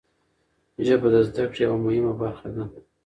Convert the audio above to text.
ژبه د زده کړې یوه مهمه برخه ده.